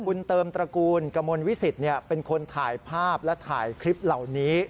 คุณเติมตระกูลกระมวลวิสิตเป็นคนถ่ายภาพและถ่ายคลิปเหล่านี้